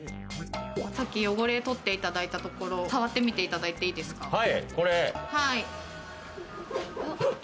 さっき汚れを取っていただいた所、触ってみていただいていいですか？